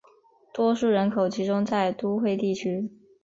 多数人口集中在都会地区。